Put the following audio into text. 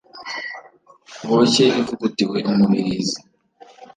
boshye ivugutiwe umubirizi.